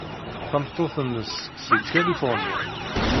Tameṭṭut-nnes seg Kalifuṛnya.